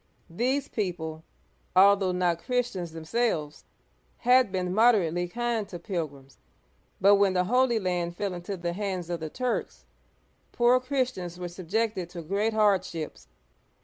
These people, al though not Christians themselves, had been moderately kind to pilgrims, but when the Holy Land fell into the hands of the Turks, poor Christians were subjected to great hardships.